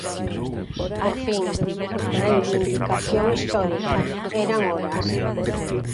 "Por fin", "reivindicación histórica", "eran horas!".